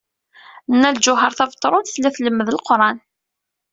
Nna Lǧuheṛ Tabetṛunt tella tlemmed Leqran.